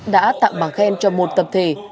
đã tặng bảng khen cho một tập thể